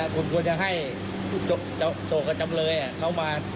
ผมควรจะให้โจทย์กับจำเลยเขามา